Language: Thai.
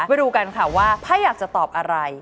มาดูกันค่ะว่าถ้าอยากจะตอบอะไร